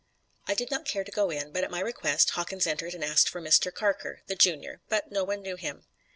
I did not care to go in; but at my request Hawkins entered and asked for Mister Carker, the Junior, but no one knew him.